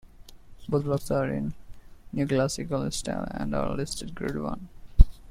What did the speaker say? Both blocks are in neoclassical style and are listed Grade One.